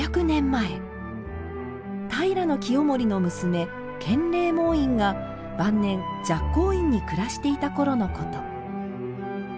前平清盛の娘、建礼門院が晩年、寂光院に暮らしていた頃のこと。